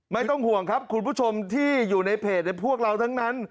ไม่ต้องห่วงครับคุณผู้ชมที่อยู่ในเพจในพวกเราทั้งนั้น